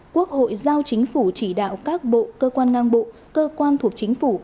quốc hội giao chính phủ chỉ đạo các bộ cơ quan ngang bộ cơ quan thuộc chính phủ